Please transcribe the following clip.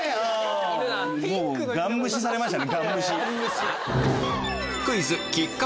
もうガン無視されましたね。